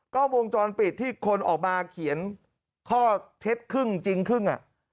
กล้องวงจรปิดที่คนออกมาเขียนข้อเท็จครึ่งจริงครึ่ง